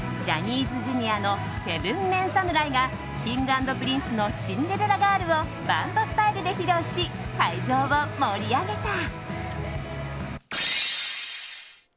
ジャニーズＪｒ．の７ＭＥＮ侍がＫｉｎｇ＆Ｐｒｉｎｃｅの「シンデレラガール」をバンドスタイルで披露し会場を盛り上げた。